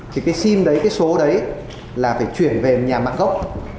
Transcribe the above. thì cái sim đấy cái số đấy là phải chuyển về nhà mạng gốc